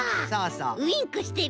ウインクしてる。